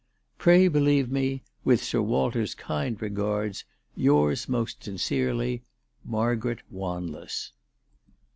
"Pray believe me, with Sir Walter's kind regards, yours most sincerely, "MARGARET WANLESS."